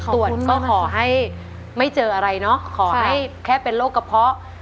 ตรวจก็ขอให้ไม่เจออะไรเนาะขอให้แค่เป็นโรคกระเพาะ